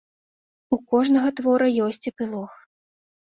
У кожнага твора ёсць эпілог.